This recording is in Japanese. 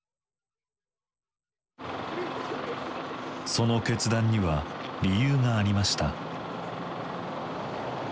その決断には理由がありました。